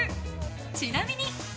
ちなみに。